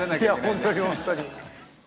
本当に、本当に。